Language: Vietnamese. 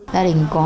gia đình có